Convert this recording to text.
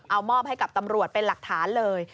เอามอบให้กับตำรวจเป็นหลักฐานเลย